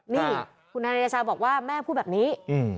นี่คุณธนเดชาบอกว่าแม่พูดแบบนี้